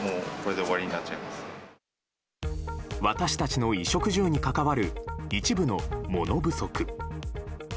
私たちの衣食住に関わる一部の物不足。